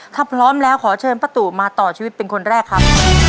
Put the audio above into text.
ถ้าพร้อมแล้วขอเชิญป้าตูมาต่อชีวิตเป็นคนแรกครับ